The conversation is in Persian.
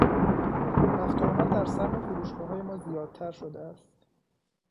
رفت و آمد در صحن فروشگاههای ما زیادتر شده است.